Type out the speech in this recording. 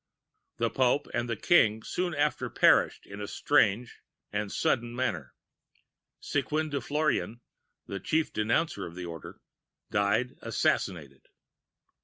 ] "The Pope and the King soon after perished in a strange and sudden manner. Squin de Florian, the chief denouncer of the Order, died assassinated.